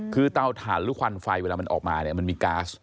คือเตาถ่านหรือควันไฟเวลามันออกมาเนี่ยมันมีก๊าซ